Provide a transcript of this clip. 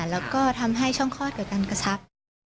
แล้วก็ทำให้ช่องคลอดเกิดการกระชับ